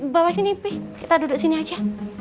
bawa sini pi kita duduk sini aja